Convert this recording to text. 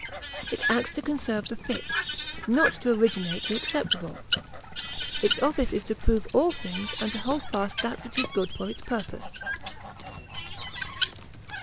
It acts to conserve the fit, not to originate the acceptable. Its office is to prove all things and to hold fast that which is good for its purpose.